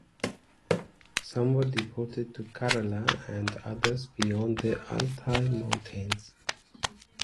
Some were deported to Karelia and others beyond the Altai mountains.